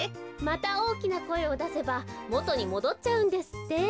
またおおきなこえをだせばもとにもどっちゃうんですって。